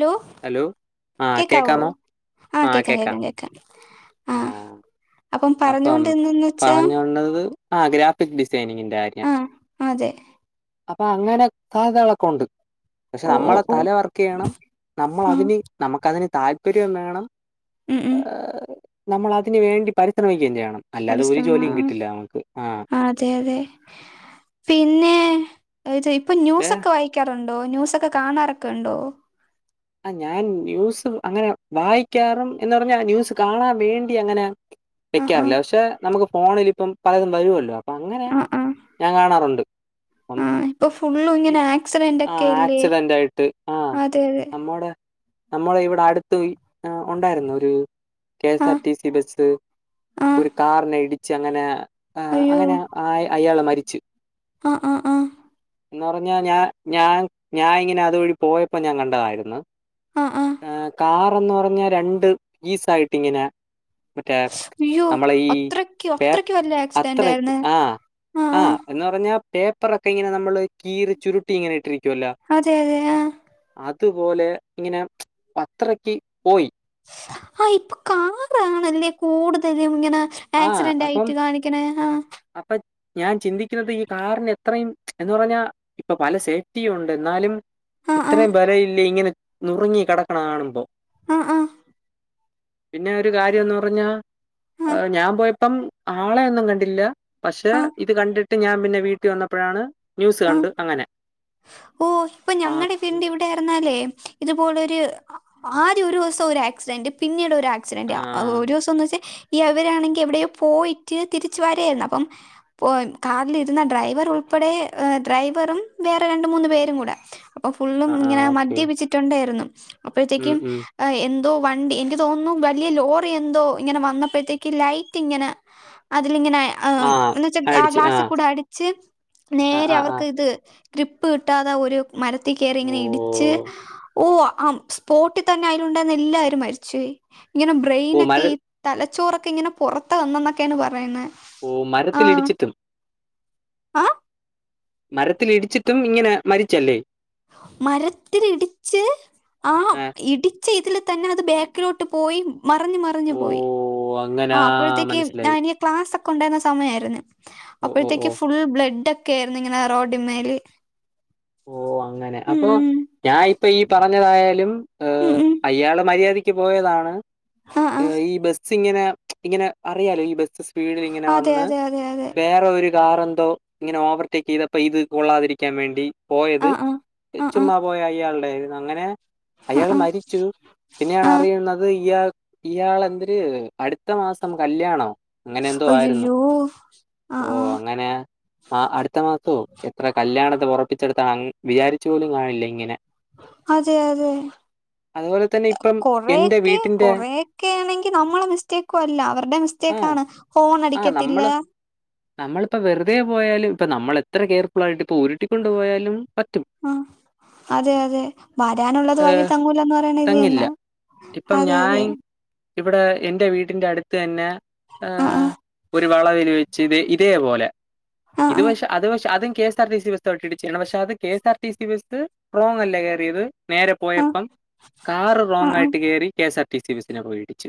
Law hello ആഹ് കേക്കാവോ കേക്കാമോ? ആഹ് കേക്കാം കേക്കാം കേക്കാം ആഹ് അപ്പം പറഞ്ഞുകൊണ്ട് എന്തന്ന് വെച്ചാ പറഞ്ഞോണ്ടത് ആഹ് ഗ്രാഫിക് ഡിസൈനിങ്ങിന്റെ കാര്യം ആഹ് അതെ അപ്പൊ അങ്ങനെ സാധ്യതകളൊക്കെ ഒണ്ട് പക്ഷെ ഓ ഓ നമ്മളെ ഓ തല വർക്ക് ചെയ്യണം നമ്മൾ ആഹ് അതിന് നമുക്കതിന് താല്പര്യം വേണം ഉം ഏ ഉം ഏ നമ്മൾ അതിന് വേണ്ടി പരിശ്രമിക്കുകയും ചെയ്യണം അല്ലാതെ ഒരു പരിശ്രമം ജോലിയും ആഹ് കിട്ടില്ല നമുക്ക് ആഹ് അതെ അതെ പിന്നെ ഇത് ഇപ്പൊ വേ ന്യൂസൊക്കെ വായി ക്കാറുണ്ടോ ന്യൂസൊക്കെ കാണാറൊക്കെ ഇണ്ടോ ആഹ് ഞാൻ ന്യൂസ് അങ്ങനെ വായിക്കാറും എന്ന് പർഞ്ഞാ ന്യൂസ് കാണാൻ വേണ്ടി അങ്ങനെ ആഹ് വെക്കാറില്ല ആഹ് പക്ഷെ നമുക്ക് ഫോണില് ഇപ്പം പലതും വരുവല്ലോ അപ്പൊ അങ്ങനെ ആഹ് ആഹ് ഞാൻ കാണാറുണ്ട് ആഹ് ഇപ്പൊ ഫുള്ളും [unintelligible] ഇങ്ങനെ ആക്സിഡന്റ് ഒക്കെ ആഹ് ഇല്ലേ ആക്സിഡന്റ് ആയിട്ട് ആഹ് അതെ അതെ നമ്മടെ നമ്മള ഇവിടെ അടുത്ത് ഇ ഉണ്ടായിരുന്നു ഒരു കെ എസ് ആർ ആഹ് ടി സി ബസ്സ് ആഹ് ഒരു കാറിനെ ഇടിച്ച് അങ്ങനെ ആഹ് അയ്യോ അങ്ങനെ ആഹ് അയാളെ മരിച്ചു ആഹ് ആഹ് ആഹ് എന്ന് പറഞ്ഞാ ഞാൻ ഞാൻ ഞാൻ ഇങ്ങനെ അതുവഴി പോയപ്പോ ഞാൻ കണ്ടതായിരുന്നു ആഹ് ആഹ് എ കാറന്ന് പറഞ്ഞ രണ്ട് പീസ് ആയിട്ട്ങ്ങനെ മറ്റേ അയ്യോ നമ്മള ഈ അത്രക്ക് പേ അത്രക്ക് വലിയ അത്ര ആക്സിഡന്റ് ആയിരുന്ന് ആഹ് ആഹ് എന്ന് പറഞ്ഞാ പേപ്പറൊക്കെ ഇങ്ങനെ നമ്മള് കീറി ചുരുട്ടി ഇങ്ങനെ ഇട്ടിരിക്കുവല്ലോ അതെ അതെ ആഹ് ത്തു പോലെ ഇങ്ങനെ അത്രക്ക് പോയി ആഹ് ഇപ്പൊ കാറാണല്ലെ കൂടുതലും ഇങ്ങനെ ആ ആക്സിഡന്റ് അപ്പം ആയിട്ട് കാണിക്ക്ണേ ആഹ് അപ്പൊ ഞാൻ ചിന്തിക്കുന്നത് ഈ കാറിന് എത്രയും എന്ന് പറഞ്ഞാ ഇപ്പൊ പല സേഫ്റ്റിയും ഉണ്ട് എന്നാലും ആ ആ ഇത്രയും വലയില്ലേ ഇങ്ങനെ നുറുങ്ങി കിടക്കണ കാണുമ്പോ ആഹ് ആഹ് പിന്നെ ഒരു കാര്യം എന്ന് പറഞ്ഞാ ആ ഞാൻ പോയപ്പം ആളെയൊന്നും കണ്ടില്ല പക്ഷെ ആ ഇത് കണ്ടിട്ട് ഞാൻ പിന്നെ വീട്ട് വന്നപ്പോഴാണ് ന്യൂസ് ആ കണ്ട് അങ്ങനെ ഓ ഇപ്പൊ ആ ഞങ്ങളെ ഉം, പിന്നിവിടെ ഇറന്നാലേ ഇത്പോലൊരു ആദ്യ ഒരു ദിവസം ഒരു ആക്സിഡന്റ് പിന്നീട് ഒരു ആ, ആക്സിഡന്റ് ഒരു ദിവസംന്ന് വെച്ചാൽ ഈ അവവരാണെങ്കിൽ എവിടെോ പോയിട്ട് തിരിച്ച് വരായിരുന്നു അപ്പം പോയി കാറിലിരുന്ന ഡ്രൈവർ ഉൾപ്പെടെ ഡ്രൈവറും വേറെ മൂന്ന പേരും കൂടെ അപ്പൊ ഫുള്ള് ആ, ആ, ഇങ്ങനെ ഓക്കെ. മദ്യപിച്ചിട്ടുണ്ടായിരുന്നു ഉം, അപ്പോഴത്തേക്കും ഉം. എന്തോ വണ്ടി എനിക്ക് തോന്നുന്നു വലിയ ലോറി എന്തോ ഇങ്ങനെ വന്നപ്പോഴത്തേക്ക് ലൈറ്റ് ഇങ്ങനെ അതിലിങ്ങനെ ആഹ് ആ, എന്ന വച്ചാ ആ ഗ്ലാസ്സിൽ കൂടെ അടിച്ച് ആ, നേരെ ആ, ആ. അവർക്ക് ഇത് ഗ പ്പ് കിട്ടാതെ ഒരു മരത്തിൽ കയറി ഓ, ഇങ്ങനെ ഇടിച്ച് ഓ ആഹ് സ്പോട്ടിൽ തന്നെ അയലുണ്ടന്ന എല്ലാരും മരിച്ചു പോയി ഇങ്ങനെ ഓ ബ്രെയിനൊ മര ക്കെ തലച്ചോറൊക്കെ ഇങ്ങനെ പുറത്തു വന്നുന്നൊക്കെയാണ് പറയുന്നത് ഓ മരത്തിലൽ ഇടിച്ചിട്ടും ആഹ് മരത്തിലിടിച്ചിട്ടും ഇങ്ങനെ മരിച്ചല്ലേ മരത്തിൽഇടിച്ച് ആഹ് ആ ഇടി പച്ചേ ഇതിൽ തന്നെ അത് ബാക്കിലോട്ട് പോയി മറിഞ്ഞഞ് മറിഞ്ഞു ഓ പോയി അങ്ങനാ ആഹ് അപ്പോഴത്തേക്ക് മനസ്സിലായി ഇനി ക്ലാസ് ഒക്കെ ഉണ്ടായിരുന്ന സമയായിരുന്നു ഓ ഓ ഓ അപ്പോഴത്തേക്ക് ഫുൾ ബ്ലഡ് ഒക്കെയായിരുന്നു ഇങ്ങനെ റോഡിമ്മേൽ ഓ അങ്ങനെ അപ്പൊ ഉം ഞാൻ ഇപ്പൊ ഈ പറഞ്ഞതായാലും ഉം ഉം അയാള മര്യാദക്ക് പോയതാണ് ആ ആ ഈ ബസ് ഇങ്ങനെ ഇങ്ങനെ അറിയാലോ ഈ ബസ് സ്പീഡിൽ ഇങ്ങനെ അതെ വന്ന് അതെ അതെ അതെ വേറെ ഒരു കാറെ എന്തോ ഇങ്ങനെ ഓവർടേക്ക് ചെയ്തപ്പോ ഇത് കൊള്ളാതിരിക്കാൻ വേണ്ടി ആ പോയത് ആ ആ ചു ആ മമപോയ അയാളുടെ അങ്ങനെ ആ അയാൾ ആ മരിച്ചു പിന്നെയാണ് ആഹ് അറിയുന്നത് യാ ഇയാൾ എന്തര് അടുത്ത മാസം കല്യാണാ അങ്ങനെ എന്തോ ആയിരുന്നു അയ്യയ്യോ ആഹ് ഓ ആഹ് അങ്ങനെ ആഹ് അടുത്ത മാസവും എത്ര കല്യാണത്തെ ഉറപ്പിച്ചെടുത്താണ് വിചാരിച്ചു പോലും കാണില്ല ഇങ്ങനെ അതെ അതെ [unintelligible] എന്റെ കൊറെക്കെ വീട്ടിന്റെ കൊറെൊക്കെ ആണെങ്കിൽ നമ്മളെ മിസ്റ്റേക്കും അല്ല അവരുടെ ആ, മിസ്റ്റേക്കാണ് ഫോൺ ആ അടിക്കത്തില്ല നമ്മള് നമ്മളിപ്പോ വെറുതെ പോയാലും ഇപ്പ നമ്മൾ എത്ര കെയർഫുൾ ആായിട്ട് ഇപ്പൊ ഉരുട്ടിക്ക കൊണ്ട് പോയാലും പറ്റും ആഹ് അതെ അതെ വരാനുള്ളത് വഴി തങ്ങൂലന്ന് പറയണ ഇത് തങ്ങില്ല. തന്നാ ഇപ്പം അതെ ഞാൻ അതെ ഇവിടെ എന്റെ വീടിന്റെ അടുത്ത് തന്നെ ഹ ആഹ് ഒരു വള വെല വച്ചു [unintelligible] ആഹ് ഇത് ആഹ് പക്ഷ അത് പക്ഷ അത K S R T C ബസ്ട്ടിടിച്ചാണ് പക്ഷെ അത് K S R T C bus wrong അല്ല കയറിയത് നേരെ ആഹ് പോയപ്പം കാറ് റോങ് ആഹ് ആയിട്ട് കയറി കെഎസ് ആർ ടി സി ബസിനെ പോയിടിച്ചു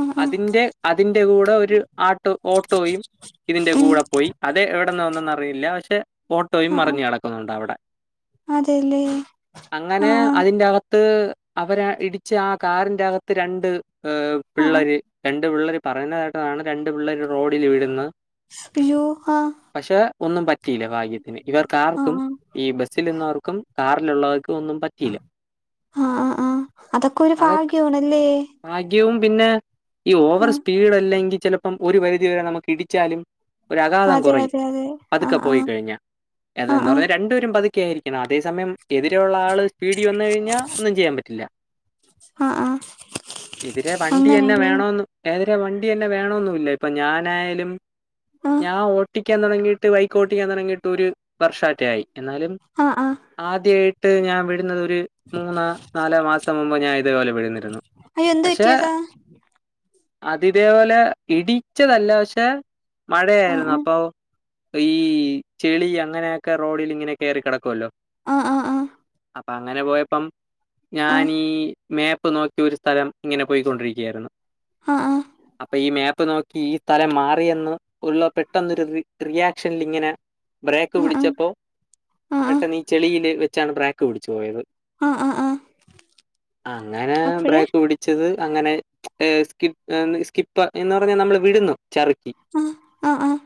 ആഹ് ആഹ് ആഹ് ആഹ് അതിറെ അതിറെ കൂടെ ഒരു ആട്ടോ ഓട്ടോയും ഇതിന്റെ ഉം കൂടെ പോയി അതെ എവിടെന്ന് വന്നെന്നറിയില്ല പക്ഷെ ഓട്ടോയും മറിഞ്ഞ കടക്കുന്നുണ്ട് അവിടെ അതല്ലേ അങ്ങനെ അതിന്റെ അകത്ത് അവര് ഇടിച്ച് ആ കാറിന്റെ അകത്ത് രണ്ട് ഏ ആഹ് ആഹ് പിള്ളര് രണ്ടു പിള്ളര് പറയുന്നതായിട്ടാണ് രണ്ടു പിള്ളേര് റോഡിൽ വിടുന്നത് അയ്യോ ഹാ പക്ഷെ ഒന്നും പറ്റിയില്ല ഭാഗ്യത്തിന് ഇവർക്ക് ആഹ് ആർക്കും ആഹ് ഈ ബസ്സിൽ നിന്നവർക്കും കാറിലുള്ളവർക്ക് ഒന്നും പറ്റിയില്ല. ആ ആഹ് അതൊക്കൊരു അതൊക്കെ ഭാഗ്യാണല്ലേ ഭാഗ്യവും പിന്നെ ഈ ഓവറ് സ്പീഡ് അല്ലെങ്കിൽ ചിലപ്പം ഒരു പരിധിവരെ നമുക്ക് ഇടിച്ചാലും ഒരു അഘാധം അതെ കൊറയും അതെ അതെ പതുക്കെ ആഹ് പോയി ആഹ് കഴിഞ്ഞ ആഹ് അതെന്ന് ആഹ് പറഞ്ഞാ രണ്ടുപേരും പതു ക്കെ ആയിരിക്കണം. അതേ സമയം എതിരെയുള്ള ആള് സ്പീഡീ വന്ന് കഴിഞ്ഞാ ഒന്നും ചെയ്യാൻ പറ്റില്ല. ആഹ് ആഹ് എതിരെ വണ്ടിയന്നെ അങ്ങനെല്ലേ വേണോന്ന് ഏതരെ വണ്ടിയന്നെ വേണോന്നുല്ല. ഇപ്പൊ ഞാനായാലും ആഹ് ഞാൻ ഓട്ടി ക്കാൻ തുടങ്ങിട്ട് ബൈക്കോട്ടിക്കാൻ തൊടങ്ങിട്ട് ഒരു വർഷാറ്റേ ആയി എന്നാലും ആഹ് ആഹ് ആദ്യായിട്ട് ഞാൻ വിഴുന്നത് ഒരു മൂന്നോ നാലോ മാസം മുമ്പ് ഞാൻ ഇതേപോലെ വീഴ്ന്നിരുന്നു. അയ്യോ എന്ത് പക്ഷെ പറ്റിയതാ അത് ഇതേപോലെ ഇടിച്ചതല്ല പക്ഷെ മഴയായിരുന്നു ആഹ് അപ്പൊ ഈ ചെളി അങ്ങനെയൊക്കെ റോഡിലിങ്ങനെ കേറി കെടക്കോല്ലോ ആ ആഹ് അപ്പൊ അങ്ങനെ പോയപ്പം ആഹ് ഞാനീ മേപ്പ് നോ ക്കി ഒരു സ്ഥലം ഇങ്ങനെ പോയിക്കൊണ്ടിരിക്കായിരുന്നു. ആഹ് അപ്പൊ ഈ മാപ്പ് നോ ഈ സ്ഥലം മാറിയെന്ന് ഉള്ള പെട്ടെന്നൊരു റിയാക്ഷനിലിങ്ങനെ ബ്രേക്ക് ആഹ് ആഹ് ആഹ് പിടിച്ചപ്പോ ആഹ് പെട്ടെന്നീ ചെളിയില് വെച്ചാണ് ബ്രേക്ക് പിടിച്ചു പോയത് ആഹ് ആഹ് ആഹ് അങ്ങനെ അപ്പഴേ ബ്രേക്ക് പിടി ച്ചത് അങ്ങനെ ഏഹ് സ്കിഏഹ് സ്കിപ്പ് എന്ന് പറഞ്ഞാ നമ്മള് വിഴുന്നു ചറുക്കി ആഹ് ആ ആഹ്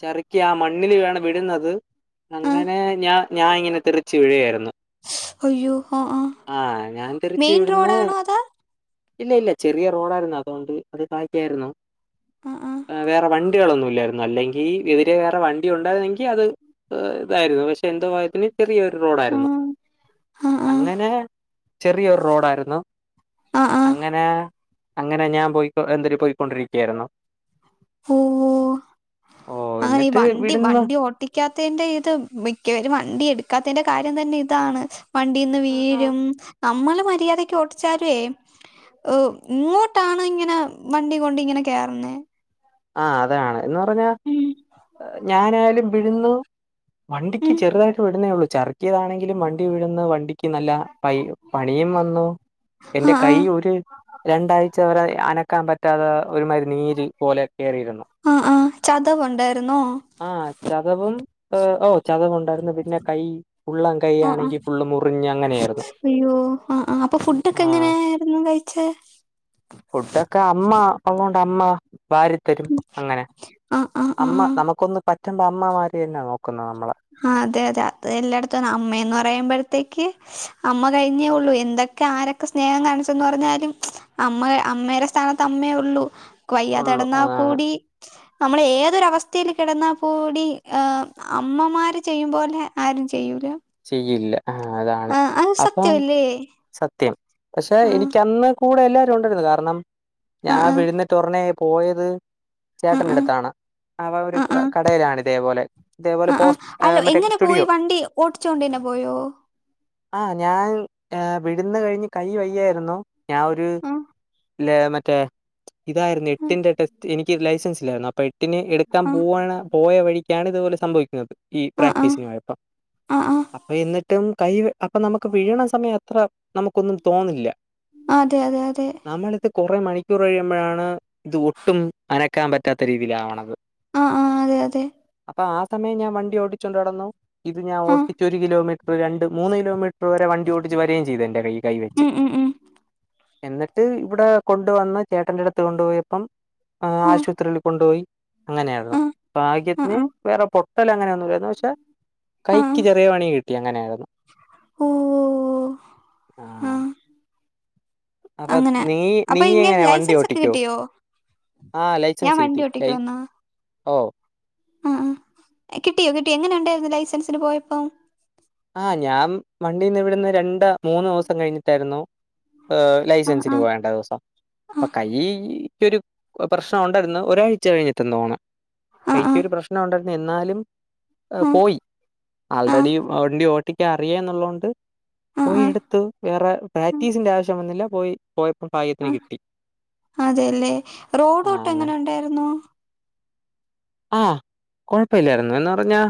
ചെറുക്കി ആ മണ്ണിലാണ് വീഴുന്നത്. ആഹ് അങ്ങനെ ഞാൻ ഞാൻ ഇങ്ങനെ തെറിച്ച് വീഴായിരുന്നു അയ്യോ ആഹ് ആഹ് ഞാൻ തെറിച്ച് മെയിൻ ഇവിടുന്ന് റോഡാണോ അതാ ഇല്ല ഇല്ല ചെറിയ റോഡായിരുന്നു അതോണ്ട് അത് ഭാഗ്യായിരുന്നു. ആ ആഹ് ഏഹ് വേറെ വേറെ വണ്ടികളൊന്നും ഇല്ലായിരുന്നു അല്ലെങ്കി എതിരെ വേറെ വണ്ടി ഉണ്ടായിരുന്നെങ്കി അത് ഏഹ് ഇതായിരുന്നു. പക്ഷെ എന്തോ ഭാഗ്യത്തിന് ചെറിയൊരു റോഡായിരുന്നു. ആഹ് ആഹ് ആഹ് അങ്ങനെ ചെറിയൊരു റോഡായിരുന്നു. ആഹ് ആഹ് അങ്ങനെ അങ്ങനെ ഞാൻ പോയിക്കൊ എന്തൊരു പോയിക്കൊണ്ടിരിക്കായിരുന്നു. ഓഹ്, ഓഹ് അങ്ങനെ ഈ എന്നിട്ട് വണ്ടി വിടുന്നു വണ്ടി ഓട്ടി ടിക്കാത്തന്റെ ഇത് മിക്കവരും വണ്ടി എടുക്കാത്തന്റെ കാര്യം തന്നെ ഇതാണ്. വണ്ടീന്ന് വീഴും. നമ്മള് മര്യാദക്കോ ച്ചാരോയ് ഔ ഇങ്ങോട്ടാണ് ഇങ്ങനെ വണ്ടി കൊണ്ട് ഇങ്ങനെ കേറുന്നെ ആ അതാണ് എന്ന് പറഞ്ഞ ഉം ഞാനായാലും വിഴുന്നു വണ്ടിക്ക് ഉം ചെറുതായിട്ട് വീഴുന്നേ ഒള്ളൂ. ചെറുക്കിയതാണെങ്കിലും വണ്ടി വീഴുന്ന വണ്ടിക്ക് നല്ല പൈ പണിയും വന്നു എന്റെ ആഹ് കൈ ആഹ് ഒര് രണ്ടാഴ്ചവരെ അനക്കാൻ പറ്റാതെ ഒരുമാരി നീര് പോലെ കേറിയിരുന്നു ആ ആഹ്, ചതവുണ്ടായിരുന്നോ? ആ ചതവും ഏഹ് ഔ ചതവുണ്ടായിരുന്നു പിന്നെ കൈ ഉള്ളൻ ആഹ് കയ്യാണെങ്കി ആഹ് ഫുള്ളും മു മുറിഞ്ഞ് അങ്ങനെയായിരുന്നു. അയ്യോ ആ ആഹ് അപ്പൊ ആ ഫുഡെക്കെ എങ്ങനെ ആയിരുന്നു കഴിച്ചേ ഫുഡൊക്കെ അമ്മ ഒള്ളോണ്ട് അമ്മ വാരി തരും അങ്ങനെ. ആഹ് ആഹ് അമ്മ ആഹ് നമുക്കൊന്ന് പറ്റുമ്പോ അമ്മമാര് തന്നെ നോക്കുന്നെ നമ്മളെ. ആ അതെ അതെ അത് എല്ലായിടത്തും ആണ് അമ്മേന്ന് പറയുമ്പഴത്തേക്ക് അമ്മ കഴിഞ്ഞേയൊള്ളു എന്തൊക്കെ ആരൊക്കെ സ്നേഹം കാണിച്ചെന്ന് പറഞ്ഞാലും അമ്മ അമ്മേടെ സ്ഥാനത്ത് അമ്മേയൊള്ളു. ഉള്ളു വയ്യാതെകെടന്നാ അതാണ് കൂടി നമ്മളേതൊരവസ്ഥയില് കെടന്നാ കൂടി ഏഹ് അമ്മ അമ്മമാര് ചെയ്യുമ്പോലെ ആരും ചെയ്യൂല. ചെയ്യില്ല ആ അതാണ് ആഹ് അത് അപ്പം സത്യവല്ലേ സത്യം പക്ഷെ ആഹ് എനിക്കന്ന് കൂടെയെല്ലാരും ഒണ്ടായിരുന്നു കാരണം ആഹ് ഞാൻ ആഹ് വിഴുന്നിട്ടൊടനെ പോയത്. ആഹ് ആഹ് ചേട്ടന്റെടുത്താണ്. അവ ഒരു ആഹ് ആഹ് കടയിലാണിതേപോലെ ഇതേപോലെ പോസ്റ്റ് മറ്റേ സ്റ്റുഡിയോ ഓട്ടിചോണ്ടെന്നെ പോയോ? ആ ഞാൻ ഏ വിടന്ന് കഴിഞ്ഞ് കൈ വയ്യായിരുന്നു ഞാ ഒരു ആ ല്ലേ മറ്റേ ഇതായിരുന്നു ആ എട്ടിന്റെ ടെസ്റ്റ് എനിക്ക് ലൈസൻസില്ലായിരുന്നു അപ്പൊ എ ട്ടിന് എടുക്കാൻ ആ പോവണ പോയ വഴിക്കാണിതുപോലെ സംഭവിക്കുന്നത് ഈ പ്രാക്ടീസിനു പോയപ്പം ആഹ് ആഹ് അപ്പയെന്നിട്ടും കൈ അപ്പൊ നമുക്ക് വീഴണ സമയത്ര നമുക്കൊന്നും തോന്നില്ല അതെ അതെ അതെ നമ്മളിപ്പെ കുറെ മണിക്കൂറ് കഴിയുമ്പഴാണ് ഇതൊട്ടും അനക്കാ പറ്റാത്ത രീതിയിലാവണത്. ആഹ് ആഹ് അതെ അതെ. അപ്പൊ ആ സമയം ഞാൻ വണ്ടിയോടിച്ചോണ്ട് നടന്നു. ഇത് ഞാൻ ആ ഓട്ടിച്ചൊരു കിലോമീറ്റർ രണ്ട്, മൂന്ന് കിലോമീറ്റർ വരെ വണ്ടിയോടിച്ച് വരേം ചെയ്തു എന്റെ കൈ കൈ വെച്ച്. ഉം ഉം ഉം എന്നട്ട് ഇവിടെ കൊണ്ട് വന്ന് ചേട്ടന്റെ അടുത്ത് കൊണ്ടുപോയപ്പം. ആ ആശുപത്രിയില് കൊണ്ടുപോയി അങ്ങനെയായിരുന്നു ആ ഭാഗ്യ ആ പൊട്ടലങ്ങനെന്നുല്ല ന്നു വെച്ചാ ആ ആ കൈക്ക് ചെറിയ പണി കിട്ടിയെങ്ങനായാലും ഓഹോ ആ അപ്പൊ അങ്ങനെ നീ അപ്പൊ ഇങ്ങനെ നീയെങ്ങനെ വണ്ടി ലൈസൻസ് ഒക്കെ ഓട്ടിക്കോ? കിട്ടിയോ ആ ഞാൻ ലൈസൻസ് വണ്ടി കിട്ടി ലൈ ഓട്ടിക്കുമെന്നാ ഓഹ് ആ കിട്ടിയോ കിട്ടിയോ?. എങ്ങനെ ഉണ്ടായിരുന്നു ലൈസൻസിന് പോയപ്പോ? ആഹ് ഞാൻ വണ്ടിന്ന് വിടുന്ന് രണ്ട് മൂന്ന് ദിവസം കഴിഞ്ഞിട്ടായിരുന്നു. ആ ലൈസൻസിന് ആ പോവേണ്ട ദിവസം. ആ അപ്പൊ കൈക്കൊരു പ്രശ്നൊണ്ടായിരുന്നു. ഒരാഴ്ച കഴിഞ്ഞിട്ടെന്ന് തോന്ന്ണ് ആ ആ കൈക്കൊരു പ്രശ്നവുണ്ടായിരുന്നു എന്നാലും ആ പോയി ആ ആൾറെഡി വണ്ടിയോട്ടിക്ക അറിയാന്നുള്ളോണ്ട് ആ ആ പോയിയെടുത്തു വേറെ പ്രാക്ടീസിന്റെ ആവശ്യം വന്നില്ല പോയി പോയപ്പൊ ഭാഗ്യ ആഹ് അതേല്ലേ? ആഹ് റോബോട്ട് അങ്ങനെ. എങ്ങനൊണ്ടായിരുന്നു? ആഹ് കൊഴപ്പല്ലായിരുന്നു എന്ന് പറഞ്ഞാ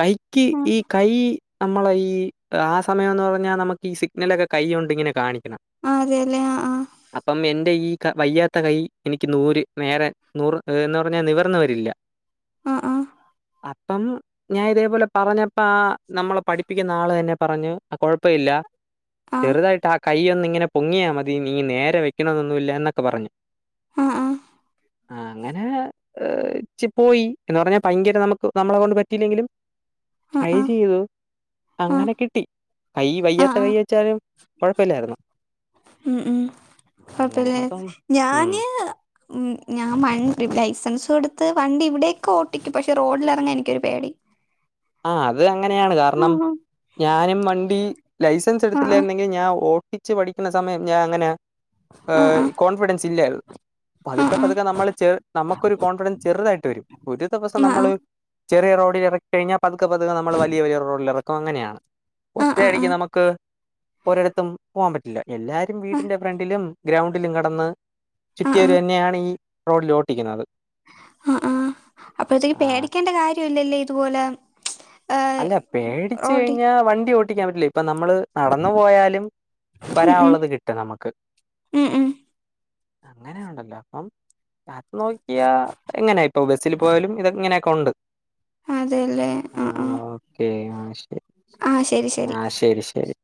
കൈക്ക് ആ ഈ കൈ നമ്മളയീ ആ സമയന്ന് പറഞ്ഞാ നമുക്ക് ഈ സിഗ്നലൊക്കെ കൈയ്യോണ്ട്ങ്ങനെ കാണിക്കണം. ആ അതേല്ലേ ആഹ് അപ്പം എന്റെ ഈ ക വയ്യാത്ത കൈ എനിക്ക് നൂറ് നേരെ നൂറ്ഏ എന്ന് പറഞ്ഞാ നിവർന്ന വരൂല്ല. ആഹ് ആഹാ അപ്പം ഞാൻ ഇതേപോലെ പറഞ്ഞപ്പാ നമ്മളെ പഠിപ്പിക്കുന്ന ആള് തന്നെ പറഞ്ഞു ആ കൊഴപ്പവില്ല ആ ചെറുതായിട്ട് ആ കൈയ്യൊന്നിങ്ങനെ പൊ ങ്ങിയാ മതി നീ നേരെ വെക്കണന്നൊന്നുല്ല എന്നൊക്കെ പറഞ്ഞു. ആ ആ ആ അങ്ങനെ പോയി എന്ന് പറഞ്ഞ ഭയങ്കര നമുക്ക് നമ്മളെ കൊണ്ട് പറ്റിയില്ലെങ്കിലും ആ ട്രൈ ആ ആ ചെയ്തു അങ്ങനെ കിട്ടി കൈ ആ വയ്യാത്ത ആ കൈ വെച്ചാലും കുഴപ്പമില്ലായിരുന്നു ഉം ഉം അങ്ങനെ കുഴപ്പല്ലെ അപ്പം ഉം ഞാന് ഉ ഞാൻ ലൈസൻസും എടുത്ത് വണ്ടി ഇവിടെക്ക്ഓട്ടിക്കും പക്ഷെ റോഡിലിറങ്ങാ എനിക്കൊരു പേടി ആഹ് അത് അങ്ങനെയാണ് ആ കാരണം ഞാനും വണ്ടി ലൈസൻസ് ആ ആ എടുത്തില്ലായിരുന്നെങ്കിൽ ഞാൻ ഓട്ടിച്ച് പഠിക്കണ സമയം ഞാൻ അങ്ങനെ ആ ആഹ് ആ കോൺഫിഡൻസ് ഇല്ലായിരുന്നു ആ പതുക്കെ ആ പതുക്കെ നമ്മള് ചെ നമുക്കൊരു കോൺഫിഡൻസ് ചെറുതായിട്ട് വരും ഒരു ദിവസം ആ നമ്മൾ ചെറിയ റോഡിൽ ഇറക്കി കഴിഞ്ഞാൽ പതുക്കെ പതുക്കെ നമ്മൾ വലിയ വലിയ റോഡിൽ ഇറക്കും അങ്ങനെയാണ്. ആ ആ ആ ആ ഒറ്റയടിക്ക് നമുക്ക് ഒരിടത്തും പോകാൻ പറ്റില്ല എല്ലാരും വീട്ടിന്റെ ഫ്രണ്ടിലും ഗ്രൗണ്ടിലും കിടന്ന് ആ ചുറ്റിയരു തന്നെയാണ് ഈ റോഡിൽ ഓട്ടിക്കുന്നത് ആഹ് ആഹ്അപ്പഴത്തേക്ക് ആ പേടിക്കേണ്ട കാര്യംല്ലല്ലേ ഇതുപോലെ ഏ, അല്ല പേടിച്ച് റോഡിൽ കഴിഞ്ഞാ വണ്ടി ഓട്ടിക്കാൻ പറ്റില്ല ഇപ്പൊ നമ്മള് നടന്നു പോയാലും ഉം ഉം വരാനുള്ളത് കിട്ടും നമുക്ക് ഉം ഉം അങ്ങനെയുണ്ടല്ലേ അപ്പം അത് നോക്കിയ എങ്ങനെയാ ഇപ്പൊ ബസ്സിൽ പോയാലും ഇതെങ്ങനെയൊക്കെ ഉണ്ട് അതെല്ലേ ആ ആഹ് ആഹ് ഓക്കെ ആ ശെ ആഹ് ശെ ആഹ് ശരി ശരി